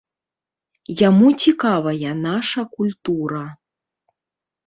Яму цікавая наша культура.